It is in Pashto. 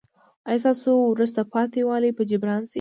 ایا ستاسو وروسته پاتې والی به جبران شي؟